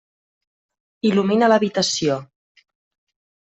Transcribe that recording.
Il·lumina l'habitació.